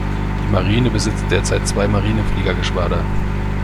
Die Marine besitzt derzeit zwei Marinefliegergeschwader.